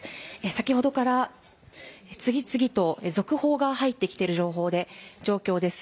先ほどから次々と続報が入っている状況です。